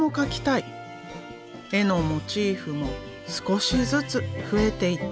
絵のモチーフも少しずつ増えていった。